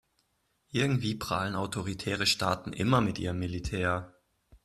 Irgendwie prahlen autoritäre Staaten immer mit ihrem Militär.